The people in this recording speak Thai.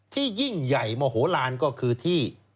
ยิ่งใหญ่มโหลานก็คือที่